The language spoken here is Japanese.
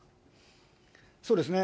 そうですね。